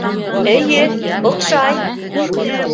Эйе, оҡшай!